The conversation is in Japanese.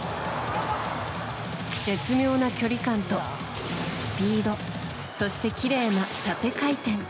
絶妙な距離感と、スピードそしてきれいな縦回転。